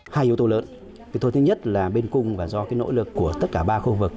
hai yếu tố lớn thứ nhất là bên cung và do nỗ lực của tất cả ba khu vực